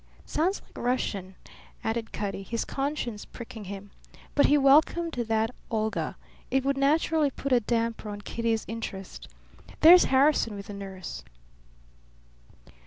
"Sounds like Russian," added Cutty, his conscience pricking him. But he welcomed that "Olga." It would naturally put a damper on Kitty's interest. "There's Harrison with the nurse."